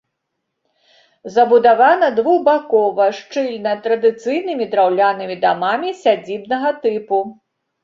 Забудавана двухбакова, шчыльна, традыцыйнымі драўлянымі дамамі сядзібнага тыпу.